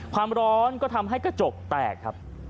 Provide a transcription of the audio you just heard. ความร้อนก็ทำให้กระจกแตกครับ